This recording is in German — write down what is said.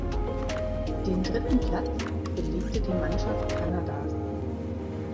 Den dritten Platz belegte die Mannschaft Kanadas.